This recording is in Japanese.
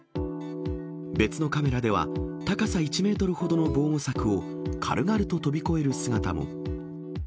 別のカメラでは、高さ１メートルほどの防護柵を軽々と飛び越える姿も。